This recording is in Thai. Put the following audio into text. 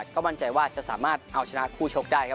ก็มั่นใจว่าจะสามารถเอาชนะคู่ชกได้ครับ